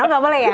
oh gak boleh ya